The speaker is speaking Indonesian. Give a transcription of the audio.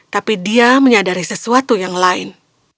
tapi dia menyadari sesuatu yang lain